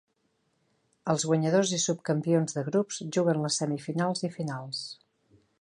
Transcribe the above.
Els guanyadors i subcampions de grups juguen les semifinals i finals.